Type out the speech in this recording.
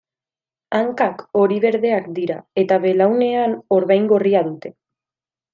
Hankak hori-berdeak dira, eta belaunean orbain gorria dute.